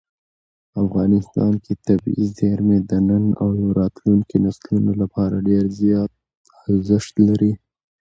افغانستان کې طبیعي زیرمې د نن او راتلونکي نسلونو لپاره ډېر زیات ارزښت لري.